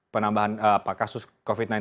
penambahan kasus covid sembilan belas